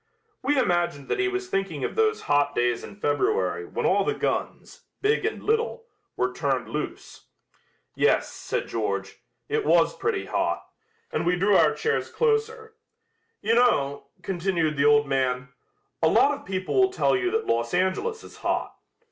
We imagined that he was thinking of those hot days in February when all the guns, big and little, were turned loose. "Yes," said George, "it was pretty hot," and we drew our chairs closer. "You know," continued the old man, "a lot of people will tell you that Los Angeles is hot.